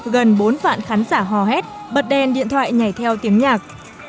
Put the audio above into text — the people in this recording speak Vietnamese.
gần bốn vạn khán giả hò hét bật đèn điện thoại nhảy theo tiếng nhạc